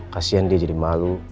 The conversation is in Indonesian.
kasian dia jadi malu